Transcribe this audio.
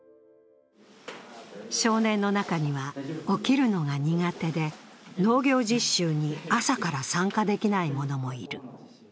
少年の中には、起きるのが苦手で農業実習に朝から参加できない者もいる。